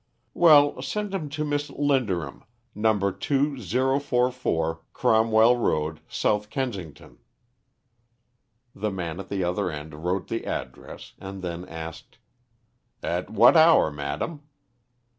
"Well, send him to Miss Linderham, No. 2,044, Cromwell Road, South Kensington." The man at the other end wrote the address, and then asked "At what hour, madam?"